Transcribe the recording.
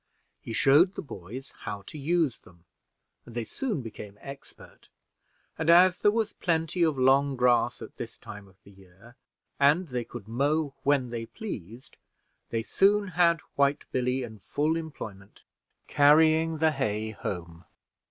He showed the boys how to use them, and they soon became expert; and as there was plenty of long grass at this time of the year, and they could mow when they pleased, they soon had White Billy in full employment carrying the hay home.